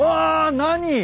何？